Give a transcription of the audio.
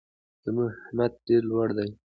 زموږ همت ډېر لوړ دی.